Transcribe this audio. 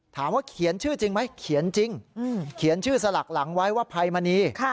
ถามว่าเขียนชื่อจริงไหมเขียนจริงเขียนชื่อสลักหลังไว้ว่าภัยมณี